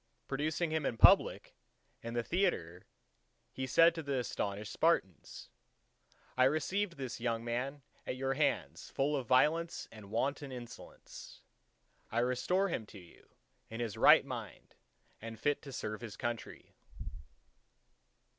Producing him in public in the theatre, he said to the astonished Spartans:—"I received this young man at your hands full of violence and wanton insolence; I restore him to you in his right mind and fit to serve his country."